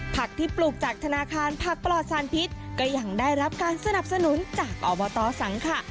ผักที่ปลูกจากธนาคารผักปลอดสารพิษก็ยังได้รับการสนับสนุนจากอบตสังขะ